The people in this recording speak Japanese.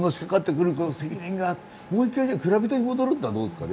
もう一回蔵人に戻るっていうのはどうですかね？